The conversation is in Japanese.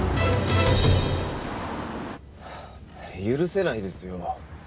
許せないですよ。